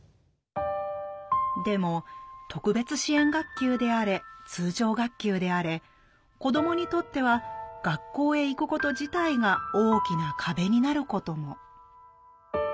でも特別支援学級であれ通常学級であれ子どもにとっては学校へ行くこと自体が大きな壁になることも。